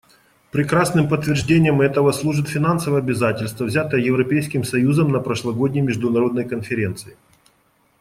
Прекрасным подтверждением этого служит финансовое обязательство, взятое Европейским союзом на прошлогодней международной конференции.